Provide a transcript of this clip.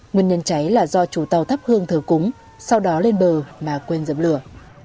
nguyên nhân cháy là do chủ tàu thắp hương thờ cúng sau đó lên bờ mà quên dập lửa